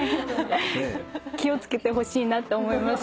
気を付けてほしいなって思います